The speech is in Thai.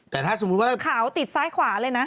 แต่ถ้าสมมุติว่าขาวติดซ้ายขวาเลยนะ